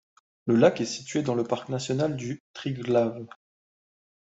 Le lac est situé dans le parc national du Triglav.